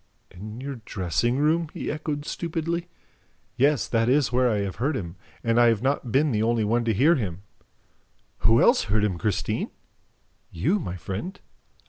"In your dressing room?" he echoed stupidly. "Yes, that is where I have heard him; and I have not been the only one to hear him." "Who else heard him, Christine?" "You, my friend."